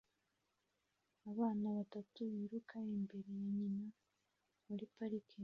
Abana batatu biruka imbere ya nyina muri parike